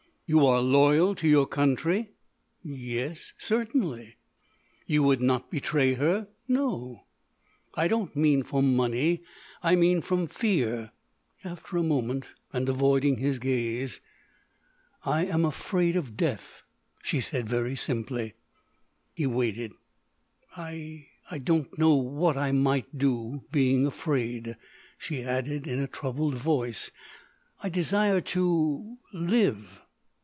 "You are loyal to your country?" "Yes—certainly." "You would not betray her?" "No." "I don't mean for money; I mean from fear." After a moment, and, avoiding his gaze: "I am afraid of death," she said very simply. He waited. "I—I don't know what I might do—being afraid," she added in a troubled voice. "I desire to—live."